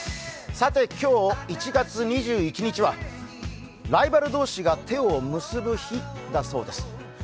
さて今日１月２１日はライバル同士が手を結ぶ日だそうです。